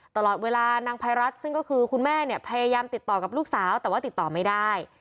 ตลอดเวลานางภัยรัฐซึ่งก็คือคุณแม่เนี่ยพยายามติดต่อกับลูกสาวแต่ว่าติดต่อไม่ได้